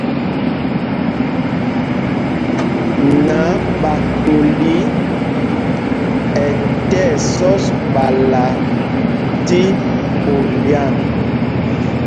Naɓatoli ɛ tí ɛsɔs ɓala tí polyan.